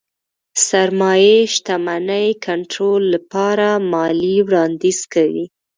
سرمايې شتمنۍ کنټرول لپاره ماليې وړانديز کوي.